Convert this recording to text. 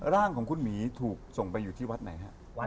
ร่างของคุณหมีถูกส่งไปอยู่ที่วัดไหนฮะ